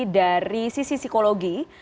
dari sisi psikologi